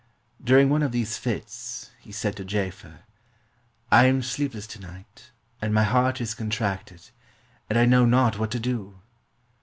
During one of these fits, he said to Jaafer, " I am sleep less to night, and my heart is contracted, and I know not what to do."